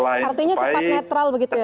artinya cepat netral begitu ya